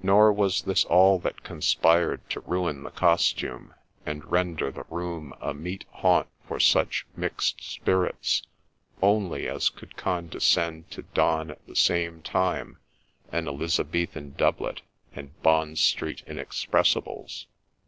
Nor was this all that conspired to ruin the costume, and render the room a meet haunt for such ' mixed spirits ' only as could condescend to don at the same time an Elizabethan doublet and Bond Street inexpressibles.